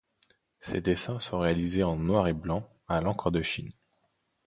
Ses dessins sont réalisés en noir et blanc, à l'encre de Chine.